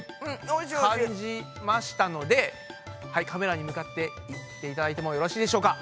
いカメラに向かって言っていただいてもよろしいでしょうか？